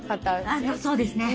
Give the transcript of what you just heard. ああそうですね。